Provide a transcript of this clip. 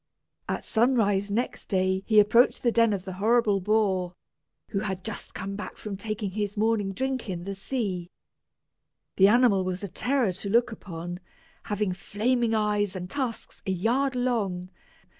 At sunrise next day he approached the den of the horrible boar, who had just come back from taking his morning drink in the sea. The animal was a terror to look upon, having flaming eyes and tusks a yard long.